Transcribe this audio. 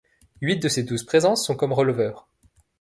Huit de ses douze présences sont comme releveur.